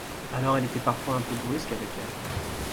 Alors elle était parfois un peu brusque avec elle